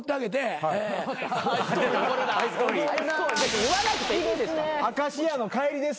言わなくていいです。